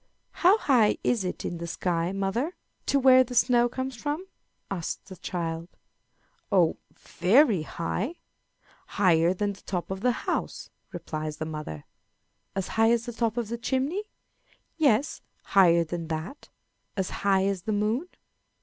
"How high is it in the sky, mother, to where the snow comes from?" asks the child. "Oh, very high higher than the top of the house," replies the mother. "As high as the top of the chimney?" "Yes, higher than that." "As high as the moon?"